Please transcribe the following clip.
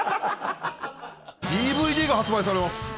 ＤＶＤが発売されます！